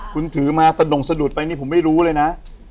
คุณถือมาสะดงสะดุดไปนี่ผมไม่รู้เลยนะ